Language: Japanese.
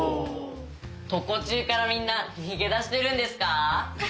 常中からみんな逃げ出してるんですか？